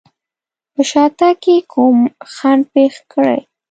په شاتګ کې کوم خنډ پېښ کړي.